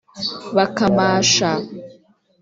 bakamasha